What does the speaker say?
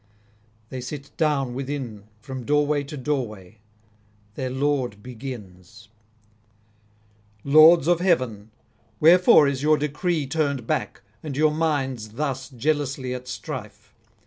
They sit down within from doorway to doorway: their lord begins: 'Lords of heaven, wherefore is your decree turned back, and your minds thus jealously at strife?